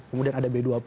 kemudian ada b dua puluh